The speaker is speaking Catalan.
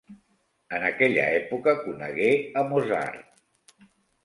En aquella època conegué a Mozart.